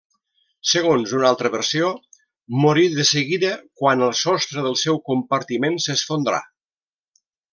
Segons una altra versió, morí de seguida quan el sostre del seu compartiment s'esfondrà.